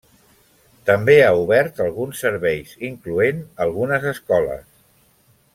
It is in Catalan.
També ha obert alguns serveis incloent algunes escoles.